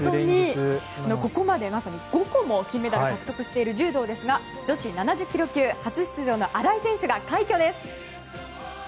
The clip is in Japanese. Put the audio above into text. ここまで、まさに５個も金メダルを獲得している柔道ですが、女子７０ｋｇ級初出場の新井選手が快挙です。